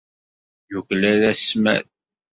Yuklal asmal.